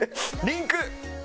「リンク」。